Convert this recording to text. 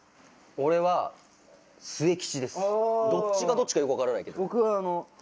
どっちがどっちかよく分からないけど。